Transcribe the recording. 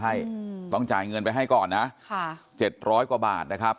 ให้ต้องจ่ายเงินไปให้ก่อนนะค่ะ๗๐๐กว่าบาทนะครับ